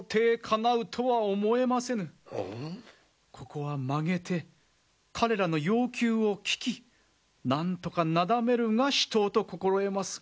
ここは曲げて彼らの要求を聞きなんとかなだめるが至当と心得ます。